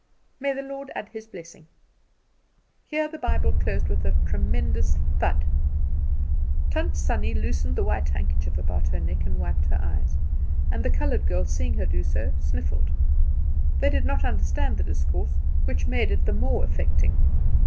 May the Lord add his blessings!" Here the Bible closed with a tremendous thud. Tant Sannie loosened the white handkerchief about her neck and wiped her eyes, and the coloured girl, seeing her do so, sniffled. She did not understand the discourse, which made it the more affecting.